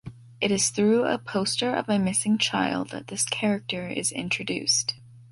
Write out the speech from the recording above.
It is through a poster of a missing child that this character is introduced.